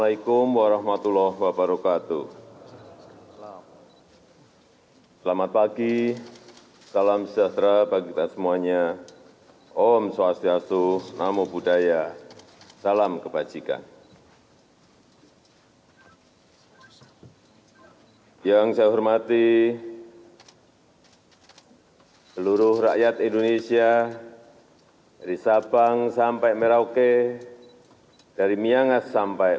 yang saya hormati seluruh rakyat indonesia dari sabang sampai merauke dari miangas sampai